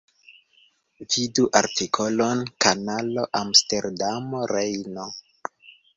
Vidu artikolon Kanalo Amsterdamo–Rejno.